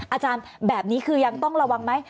อาจารย์แบบนี้คือยังต้องระวังไหม